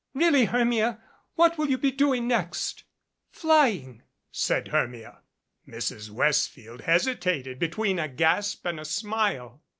Really, Hermia, what will you be doing next ?" "Flying," said Hermia. Mrs. Westfield hesitated between a gasp and a smile.